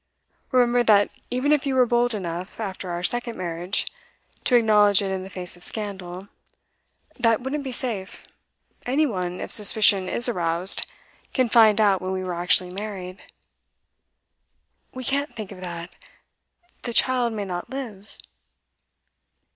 Remember that even if you were bold enough, after our second marriage, to acknowledge it in the face of scandal that wouldn't be safe. Any one, if suspicion is aroused, can find out when we were actually married.' 'We can't think of that. The child may not live.